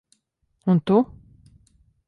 Un tu?